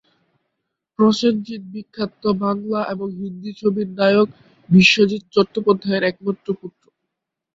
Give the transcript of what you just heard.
প্রসেনজিৎ বিখ্যাত বাংলা এবং হিন্দি ছবির নায়ক বিশ্বজিৎ চট্টোপাধ্যায়ের একমাত্র পুত্র।